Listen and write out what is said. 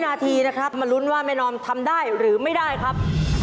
นาทีนะครับมาลุ้นว่าแม่นอมทำได้หรือไม่ได้ครับ